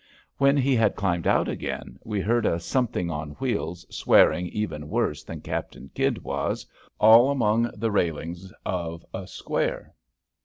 When he had climbed out again we heard a something on wheels swearing even worse than Captain Kydd was, all among the railings of a square.